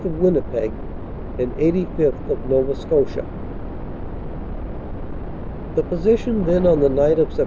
of Winnipeg, and 85th., of Nova Scotia. The position then on the night of Sept.